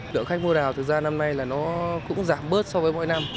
thưởng khách mua đào thực ra năm nay là nó cũng giảm bớt so với mỗi năm